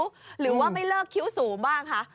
หรือว่าไม่เลิกคิ้วสูงบ้างคะ